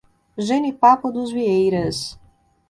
Jenipapo dos Vieiras